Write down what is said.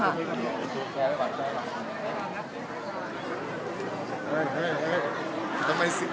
และที่อยู่ด้านหลังคุณยิ่งรักนะคะก็คือนางสาวคัตยาสวัสดีผลนะคะ